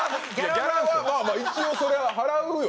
ギャラはまあまあ一応そりゃ払うよ